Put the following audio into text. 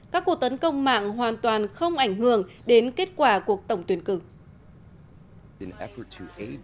các cuộc tấn công mạng hoàn toàn không ảnh hưởng đến kết quả cuộc tổng tuyển cử